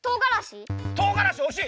とうがらし？